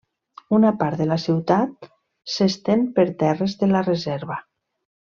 Una part de la ciutat s'estén per terres de la reserva.